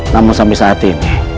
namun sampai saat ini